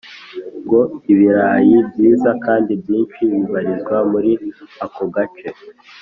ngo ibirayi byiza kandi byinshi bibarizwa muri ako gace